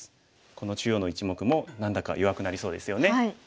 この中央の一目も何だか弱くなりそうですよね。